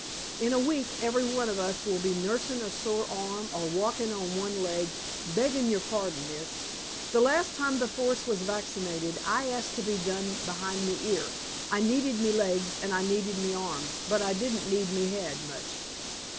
In a week every one of us will be nursin' a sore arm or walkin' on one leg, beggin' your pardon, miss. The last time the force was vaccinated, I asked to be done behind me ear; I needed me legs and I needed me arms, but didn't need me head much!"